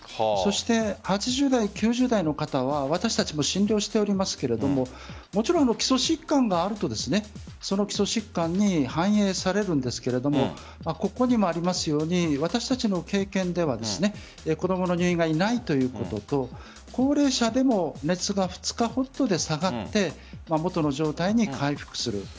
そして８０代、９０代の方は私たちも診療していますがもちろん基礎疾患があるとその基礎疾患に反映されるんですがここにもありますように私たちの経験では子供の入院がいないということと高齢者でも熱が２日ほどで下がって元の状態に回復する。